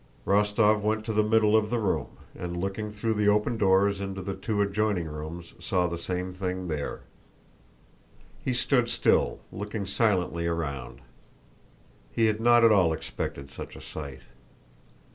Rostóv went to the middle of the room and looking through the open doors into the two adjoining rooms saw the same thing there. He stood still, looking silently around. He had not at all expected such a sight.